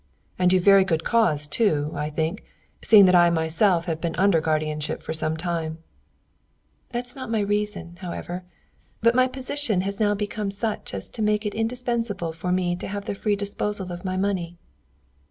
"And you've very good cause, too, I think, seeing that I myself have been under guardianship for some time." "That's not my reason, however. But my position has now become such as to make it indispensable for me to have the free disposal of my money."